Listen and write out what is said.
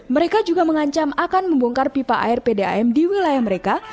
mereka juga mengancam akan membongkar pipa air pdam di wilayah mereka